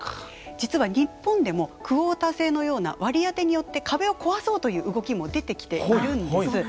実は日本でもクオータ制のような割り当てによって壁を壊そうという動きも出てきているんです。